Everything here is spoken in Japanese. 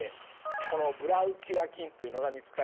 このブラウティア菌というのが見つかり